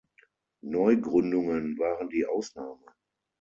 Neugründungen waren die Ausnahme.